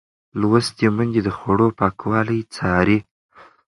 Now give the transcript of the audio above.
لوستې میندې د خوړو پاکوالی څاري.